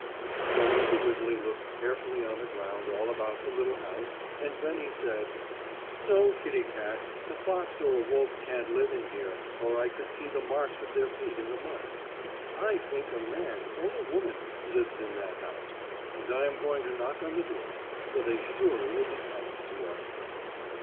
So Uncle Wiggily looked carefully on the ground all about the little house, and then he said: "No, Kittie Kat, a fox or a wolf can't live in here, or I could see the marks of their feet in the mud. I think a man or a woman lives in that house, and I am going to knock on the door, for they surely will be kind to us."